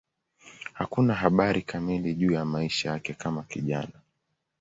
Hakuna habari kamili juu ya maisha yake kama kijana.